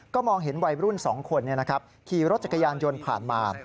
ก็มองเห็นวัยรุ่น๒คนขี่รถจักรยานยนต์ผ่านมา